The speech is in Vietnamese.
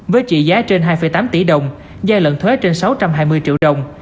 với trị giá trên hai tám tỷ đồng dài lận thuế trên sáu trăm hai mươi triệu đồng